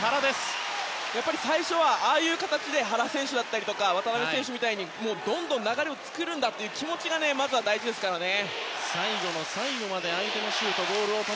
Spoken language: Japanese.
最初はああいう形で原選手とか渡邊選手みたいにどんどん流れを作るんだという気持ちがまずは大事ですからね。